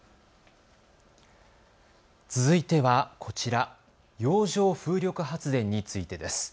続いてはこちら、洋上風力発電についてです。